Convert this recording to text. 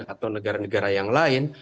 atau negara negara yang lain